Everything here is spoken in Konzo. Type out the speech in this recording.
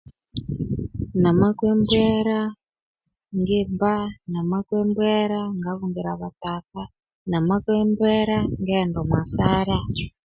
Namakwa embwera ngimba namakwa embwera ngabungira abataka namakwa embwera ngaghenda omwa sara